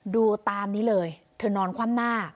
ดูตามนี้เลยเธอนอนคว่ำหน้า